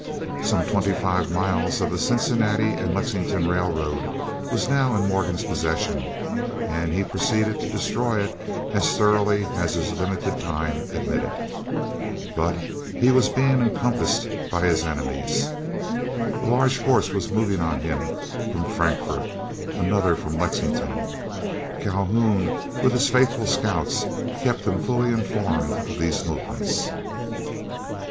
Some twenty five miles of the Cincinnati and Lexington railroad was now in Morgan's possession, and he proceeded to destroy it as thoroughly as his limited time admitted. But he was being encompassed by his enemies. A large force was moving on him from Frankfort; another from Lexington. Calhoun with his faithful scouts kept him fully informed of these movements.